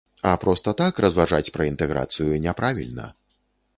А проста так разважаць пра інтэграцыю, няправільна.